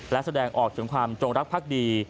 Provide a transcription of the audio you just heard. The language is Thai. และแสดงออกถึงความจงรักภักดี